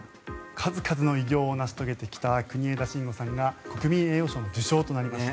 数々の偉業を成し遂げてきた国枝慎吾さんが国民栄誉賞の受賞となりました。